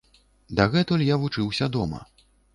Дагэтуль я вучыўся дома.